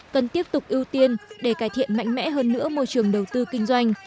cần tiếp tục ưu tiên để cải thiện mạnh mẽ hơn nữa môi trường đầu tư kinh doanh